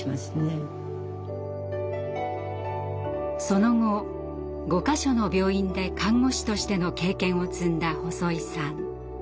その後５か所の病院で看護師としての経験を積んだ細井さん。